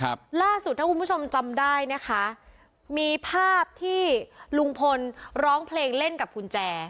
ครับล่าสุดถ้าคุณผู้ชมจำได้นะคะมีภาพที่ลุงพลร้องเพลงเล่นกับกุญแจ